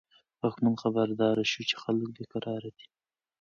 واکمن خبردار شو چې خلک بې قرار دي.